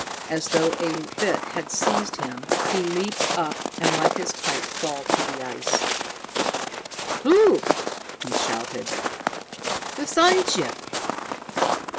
As though a fit had seized him, he leaped up and let his pipe fall to the ice. "Look!" he shouted. "The sun ship!"